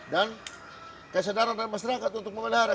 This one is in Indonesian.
dan kesadaran dari masyarakat untuk memelihara